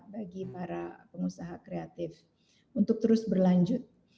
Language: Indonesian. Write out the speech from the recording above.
bagi para pengusaha kreatif untuk terus berlanjut